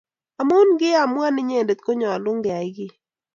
amun kaiamuan inyendet ko nyalun ke ai gii